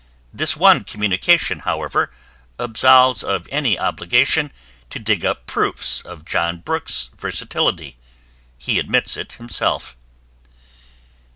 This one communication, however, absolves of any obligation to dig up proofs of John Brooks' versatility: he admits it himself.